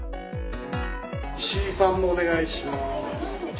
・石井さんもお願いします。